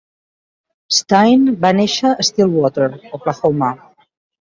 Stine va néixer a Stillwater, Oklahoma.